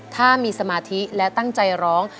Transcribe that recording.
ถ้ามีสมาธิและตั้งใจร้อง